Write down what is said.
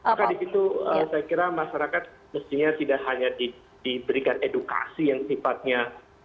maka di situ saya kira masyarakat mestinya tidak hanya diberikan edukasi yang sifatnya